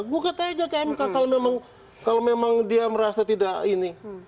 gugat aja ke mk kalau memang dia merasa tidak ini